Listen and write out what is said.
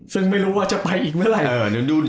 ซึ่งไม่รู้ว่าจะไปอีกเมื่อไหร่